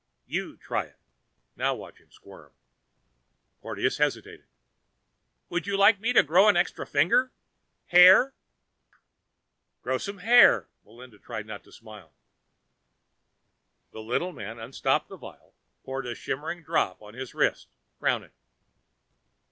"You try it." Now watch him squirm! Porteous hesitated. "Would you like me to grow an extra finger, hair " "Grow some hair." Melinda tried not to smile. The little man unstopped the vial, poured a shimmering green drop on his wrist, frowning.